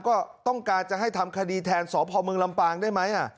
ก็ต้องการจะให้ทำคดีแทนสพมลำปางได้ไหม